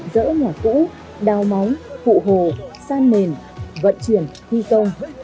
rỡ ngỏ cũ đau máu phụ hồ san mền vận chuyển thi công